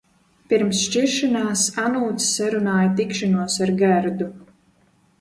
Pirms šķiršanās Anūts sarunāja tikšanos ar Gerdu.